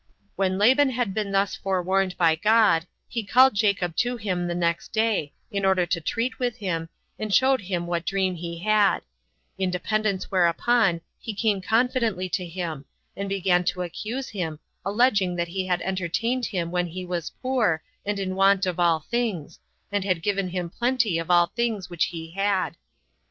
When Laban had been thus forewarned by God, he called Jacob to him the next day, in order to treat with him, and showed him what dream he had; in dependence whereupon he came confidently to him, and began to accuse him, alleging that he had entertained him when he was poor, and in want of all things, and had given him plenty of all things which he had.